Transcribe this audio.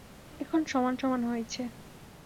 এখন সমান সমান হয়েছে।